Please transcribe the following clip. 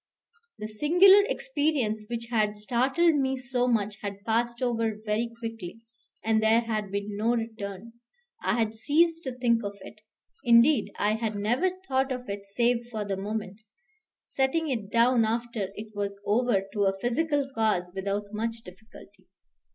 The singular experience which had startled me so much had passed over very quickly, and there had been no return. I had ceased to think of it; indeed, I had never thought of it save for the moment, setting it down after it was over to a physical cause without much difficulty.